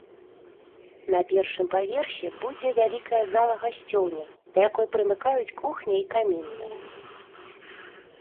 На першым паверсе будзе вялікая зала-гасцёўня, да якой прымыкаюць кухня і камінная.